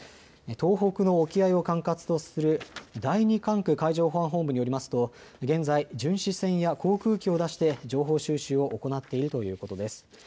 東北の沖合を管轄とする第２管区海上保安本部によりますと現在、巡視船や航空機を出して情報収集を行っているということです。